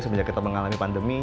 semenjak kita mengalami pandemi